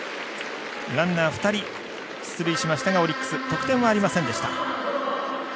ランナー２人出塁しましたがオリックス得点はありませんでした。